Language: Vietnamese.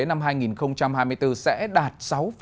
năm hai nghìn hai mươi bốn sẽ đạt sáu năm